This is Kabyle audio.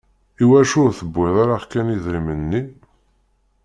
Iwacu ur tewwiḍ ara kan idrimen-nni?